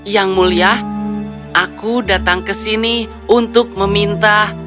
yang mulia aku datang ke sini untuk meminta